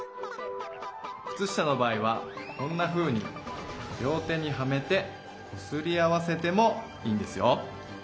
くつ下の場合はこんなふうに両手にはめてこすり合わせてもいいんですよ。